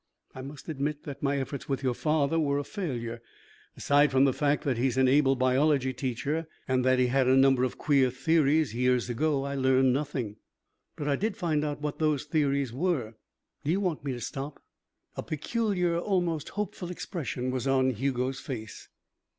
I must admit that my efforts with your father were a failure. Aside from the fact that he is an able biology teacher and that he had a number of queer theories years ago, I learned nothing. But I did find out what those theories were. Do you want me to stop?" A peculiar, almost hopeful expression was on Hugo's face.